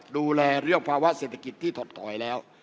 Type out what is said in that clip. ดูแลเรื่องภาวะเศรษฐกิจที่ถดถอยแล้ว